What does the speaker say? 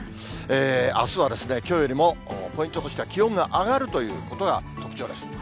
あすはきょうよりもポイントとしては、気温が上がるということが特徴です。